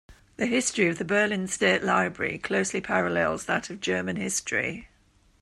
The history of the Berlin State Library closely parallels that of German history.